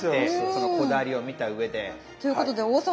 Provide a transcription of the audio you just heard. そのこだわりを見たうえで。ということで王様